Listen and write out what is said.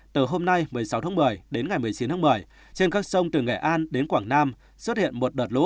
từ hôm nay một mươi sáu tháng một mươi đến ngày một mươi chín tháng một mươi trên các sông từ nghệ an đến quảng nam xuất hiện một đợt lũ